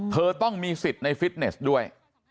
เธอต้องมีสิทธิ์ในฟิตเนสด้วย